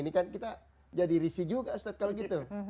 ini kan kita jadi risih juga ustadz kalau gitu